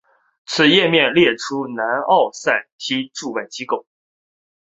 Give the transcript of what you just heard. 此页面列出南奥塞梯驻外机构。